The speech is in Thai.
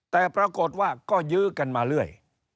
แต่ปรากฏว่าก็ยื้อกันมาเรื่อย